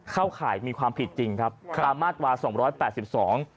เข้าข่ายมีความผิดจริงครับความมากกว่าสองร้อยแปดสิบสอง